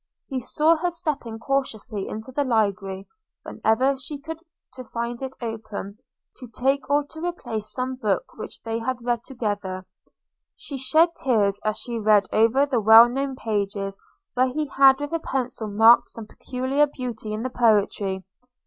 – He saw her stepping cautiously into the library, whenever she could to find it open, to take or to replace some book which they had read together – she shed tears as she read over the well known pages where he had with a pencil marked some peculiar beauty in the poetry.